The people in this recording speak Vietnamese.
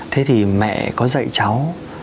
thế thì mẹ có dạy cháu